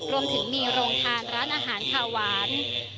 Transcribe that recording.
รวมถึงมีโรงทานร้านอาหารขาวหวาน